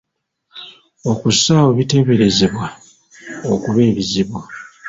Okussaawo ebiteeberezebwa okuba ebizibu.